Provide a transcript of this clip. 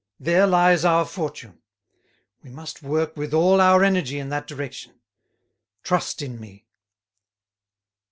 There lies our fortune. We must work with all our energy in that direction. Trust in me."